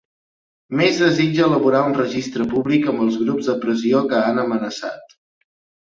Més desitja elaborar un registre públic amb els grups de pressió que han amenaçat